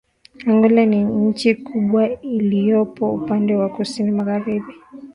Angola ni nchi kubwa iliyopo upande wa kusini magharibi